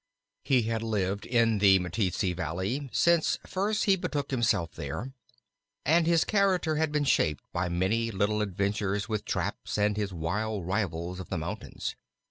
He had lived in the Meteetsee Valley since first he betook himself there, and his character had been shaped by many little adventures with traps and his wild rivals of the mountains.